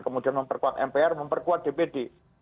kemudian memperkuat mpr memperkuat dpd